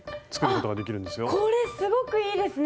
これすごくいいですね！